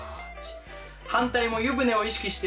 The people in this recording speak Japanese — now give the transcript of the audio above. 反対も湯船を意識して。